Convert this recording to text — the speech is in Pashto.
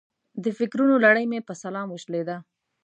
د فکرونو لړۍ مې په سلام وشلېده.